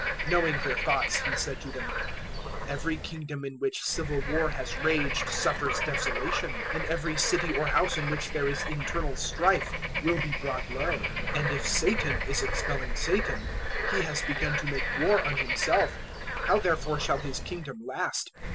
012:025 Knowing their thoughts He said to them, "Every kingdom in which civil war has raged suffers desolation; and every city or house in which there is internal strife will be brought low. 012:026 And if Satan is expelling Satan, he has begun to make war on himself: how therefore shall his kingdom last?